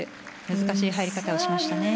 難しい入り方をしましたね。